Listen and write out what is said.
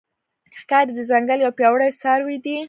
ښکاري د ځنګل یو پیاوړی څاروی دی.